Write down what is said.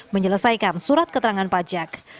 menyelesaikan surat keterangan pajak